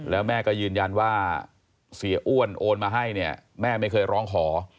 แล้วแม่ก็ยืนยันว่าเสียอ้วนโอนมาให้เนี่ยแม่ไม่เคยร้องขอ